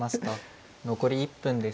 残り１分です。